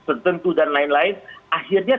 tertentu dan lain lain akhirnya